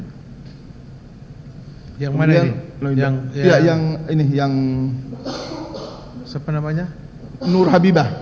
ya yang ini yang nur habibah